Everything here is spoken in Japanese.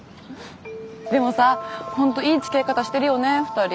でもさほんといいつきあい方してるよね２人。